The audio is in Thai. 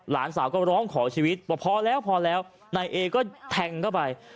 หลานสาวก็ร้องขอชีวิตบอกพอแล้วพอแล้วนายเอก็แทงเข้าไป